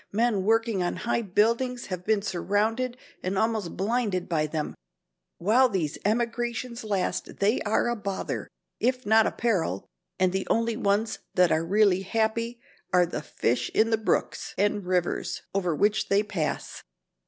Men working on high buildings have been surrounded and almost blinded by them. While these emigrations last they are a bother, if not a peril, and the only ones that are really happy are the fish in the brooks and rivers over which they pass.